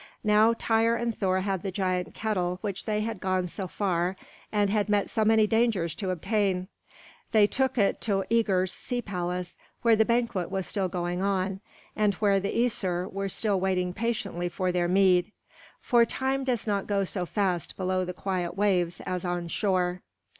Now Tŷr and Thor had the giant kettle which they had gone so far and had met so many dangers to obtain. They took it to Œgir's sea palace, where the banquet was still going on, and where the Æsir were still waiting patiently for their mead; for time does not go so fast below the quiet waves as on shore.